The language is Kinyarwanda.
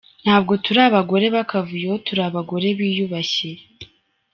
‘Ntabwo turi abagore b’akavuyo, turi abagore biyubashye’.